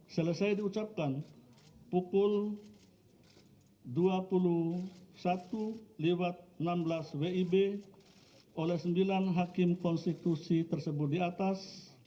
selesai diucapkan pukul dua puluh satu enam belas wib oleh sembilan hakim konstitusi tersebut di atas